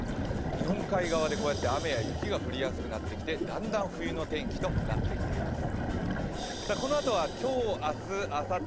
日本海側で雨や雪が降りやすくなってきて、だんだん冬の天気となってきています。